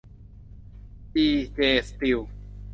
จี เจ สตีล